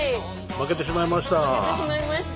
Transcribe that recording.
負けてしまいました。